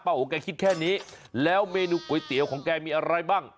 โอแกคิดแค่นี้แล้วเมนูก๋วยเตี๋ยวของแกมีอะไรบ้าง